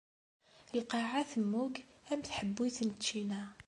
Lqaɛa temmug am tḥebbuyt n ččina.